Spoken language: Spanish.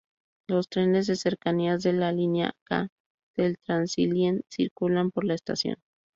Los trenes de cercanías de la línea K del Transilien circulan por la estación.